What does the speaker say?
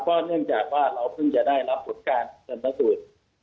เนื่องจากว่าเราเพิ่งจะได้รับผลการชนสูตร